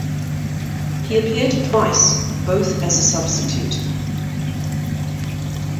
He appeared twice, both as a substitute.